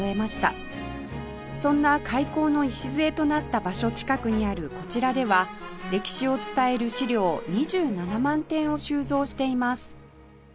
そんな開港の礎となった場所近くにあるこちらでは歴史を伝える資料２７万点を収蔵しています